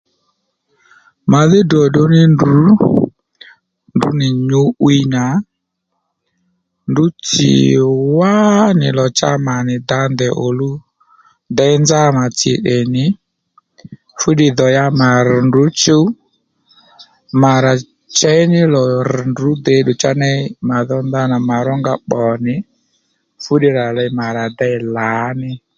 Màdhí dròdró ní ndrǔ ndrǔ nì nyǔ'wiy nà ndrǔ tsì wánì lò cha mà nì dǎ ndèy òluw děy nzá mà tsì tdè nì fúddiy dhò ya mà rr̀ ndrǔ chuw mà rà chěy ní lò rr̀ ndrǔ dèddù cha ney mà dhó ndanà mà rónga pbò nì fúddiy rà ley mà rà dey lǎní